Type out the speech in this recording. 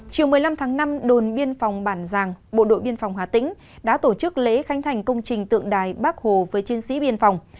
chiều một mươi năm tháng năm đồn biên phòng bản giang bộ đội biên phòng hà tĩnh đã tổ chức lễ khánh thành công trình tượng đài bắc hồ với chiến sĩ biên phòng